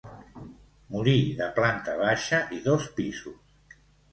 Molí de planta baixa i dos pisos.